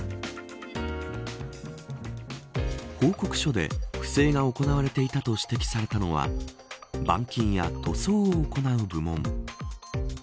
報告書で不正が行われていたと指摘されたのは板金や塗装を行う部門。